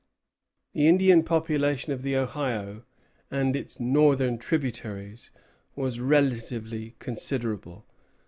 The Indian population of the Ohio and its northern tributaries was relatively considerable.